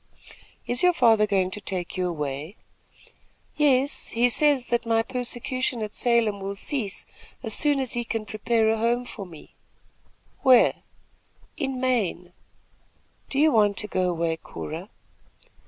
"Is your father going to take you away?" "Yes; he says that my persecution at Salem will cease as soon as he can prepare a home for me." "Where?" "In Maine." "Do you want to go away, Cora?"